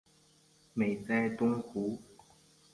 美哉东湖！